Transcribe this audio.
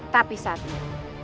tapi saat ini